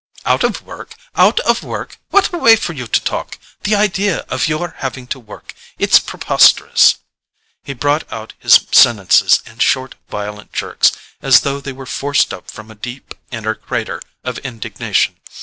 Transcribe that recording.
"Out of work—out of work! What a way for you to talk! The idea of your having to work—it's preposterous." He brought out his sentences in short violent jerks, as though they were forced up from a deep inner crater of indignation.